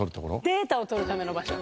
データをとるための場所。